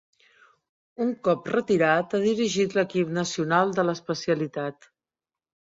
Un cop retirat ha dirigit l'equip nacional de l'especialitat.